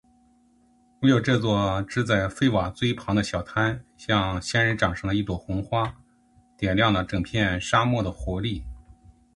昏黄色系的街道上，并没有太多的色彩，唯有这座支在废瓦堆旁的小摊，像仙人掌上的一朵红花，点亮了整片沙漠的活力。